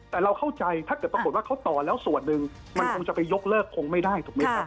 แต่เราเข้าใจถ้าเกิดปรากฏว่าเขาต่อแล้วส่วนหนึ่งมันคงจะไปยกเลิกคงไม่ได้ถูกไหมครับ